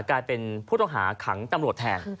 กลายเป็นผู้ต้องหาขังตำรวจแทน